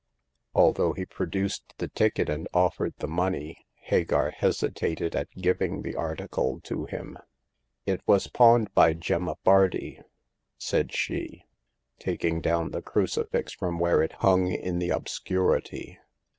Although he produced the ticket and offered the money, Hagar hesitated at giving the article to him. " It was pawned by Gemma Bardi," said she, taking down the crucifix from where it hung in the obscurity.